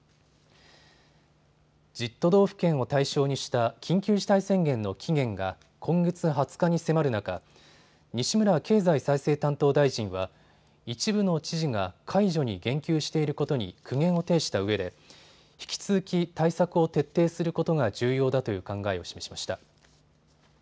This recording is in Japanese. １０都道府県を対象にした緊急事態宣言の期限が今月２０日に迫る中、西村経済再生担当大臣は一部の知事が解除に言及していることに苦言を呈したうえで引き続き、対策を徹底することが重要だという考えを示しました。